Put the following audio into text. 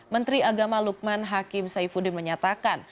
menteri agama lukman hakim saifuddin menyatakan